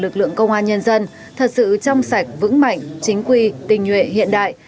lực lượng công an nhân dân thật sự trong sạch vững mạnh chính quy tình nhuệ hiện đại